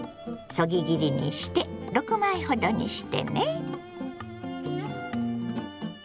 そぎ切りにして６枚ほどにしてね。